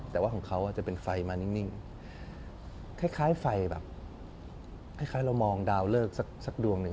แต่ว่าของเขาจะเป็นไฟมานิ่งคล้ายไฟแบบคล้ายเรามองดาวเลิกสักดวงหนึ่ง